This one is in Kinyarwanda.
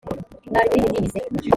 mwari mu rihe dini se